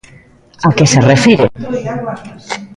A que se refire?